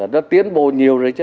nó tiến bộ nhiều rồi chứ